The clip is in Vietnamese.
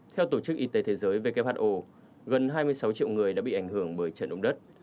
theo tổ chức y tế thế giới who gần hai mươi sáu triệu người đã bị ảnh hưởng bởi trận động đất